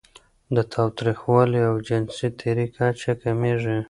د تاوتریخوالي او جنسي تیري کچه کمېږي.